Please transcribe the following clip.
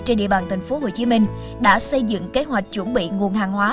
trên địa bàn tp hcm đã xây dựng kế hoạch chuẩn bị nguồn hàng hóa